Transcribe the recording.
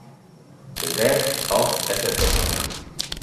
The Death of St.